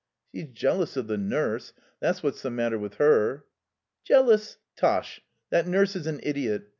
"She's jealous of the nurse. That's what's the matter with her." "Jealous? Tosh! That nurse is an idiot.